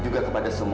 dude selain ngak alimu